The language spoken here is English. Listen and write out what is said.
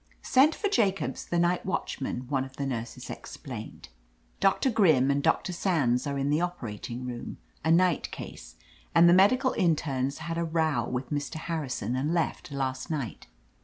Sent for Jacobs, the night watchman," one o£ the nurses explained. "Doctor Grimm and Doctor Sands are in the operating room — z night case, and the medical internes had a row with Mr. Harrison and left last night.